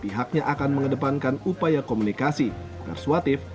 pihaknya akan mengedepankan upaya komunikasi persuatif